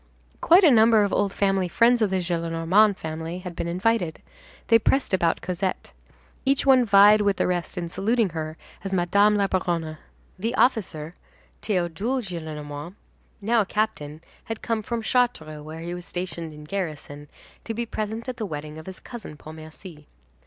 Quite a number of old family friends of the Gillenormand family had been invited; they pressed about Cosette. Each one vied with the rest in saluting her as Madame la Baronne. The officer, Théodule Gillenormand, now a captain, had come from Chartres, where he was stationed in garrison, to be present at the wedding of his cousin Pontmercy.